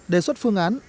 đề xuất phương án